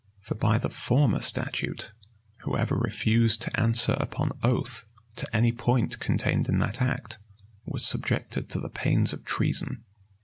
For by the former statute, whoever refused to answer upon oath to any point contained in that act, was subjected to the pains of treason.